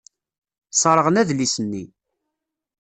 Sserɣen adlis-nni.